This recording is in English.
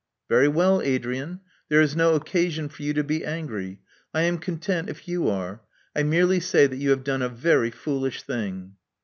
'*Very well, Adrian. There is no occasion for you to be ang^y. I am content, if you are. I merely say that you have done a very foolish thing."